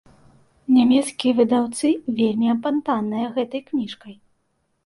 Нямецкія выдаўцы вельмі апантаныя гэтай кніжкай.